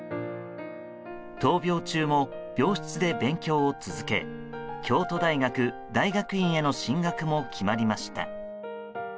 闘病中も病室で勉強を続け京都大学大学院への進学も決まりました。